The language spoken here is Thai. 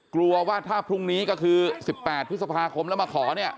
กลัวว่าถ้าพรุ่งนี้ก็คือ๑๘พฤษภาคมแล้วมาขอเนี่ย